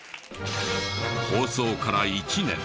放送から１年。